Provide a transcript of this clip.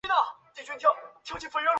首府玛利亚娜。